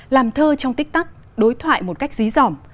làm thơ trong tích tắc đối thoại một cách dí dỏm